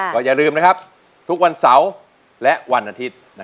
ก็อย่าลืมนะครับทุกวันเสาร์และวันอาทิตย์